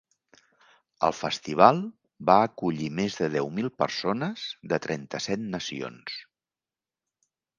El festival va acollir més de deu mil persones de trenta-set nacions.